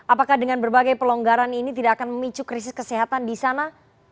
apakah dengan berbagai pelonggaran ini tidak akan memicu krisis kesehatan di sana